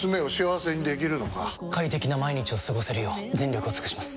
快適な毎日を過ごせるよう全力を尽くします！